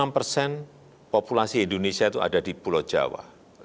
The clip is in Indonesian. enam persen populasi indonesia itu ada di pulau jawa